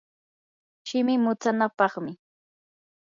shimi mutsanapaqmi.